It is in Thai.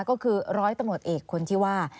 ก็คือร้อยตำรวจเอกคนที่ว่า